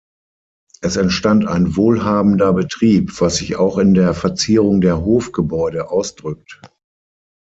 Es entstand ein wohlhabender Betrieb, was sich auch in der Verzierung der Hofgebäude ausdrückt.